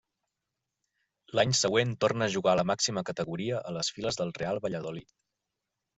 L'any següent torna a jugar a la màxima categoria a les files del Real Valladolid.